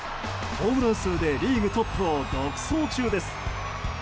ホームラン数でリーグトップを独走中です。